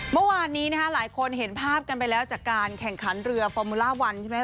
เมื่อวานนี้นะคะหลายคนเห็นภาพกันไปแล้วจากการแข่งขันเรือฟอร์มูล่าวันใช่ไหม